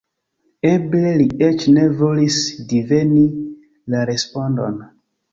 Eble li eĉ ne volis diveni la respondon.